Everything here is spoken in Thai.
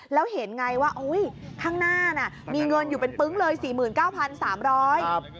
แล้วเห็นไงว่าอุ้ยข้างหน้าน่ะมีเงินอยู่เป็นปึ๊งเลย๔๙๓๐๐บาท